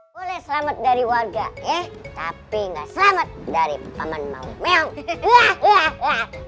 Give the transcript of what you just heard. boleh selamat dari warga eh tapi enggak selamat dari pemenang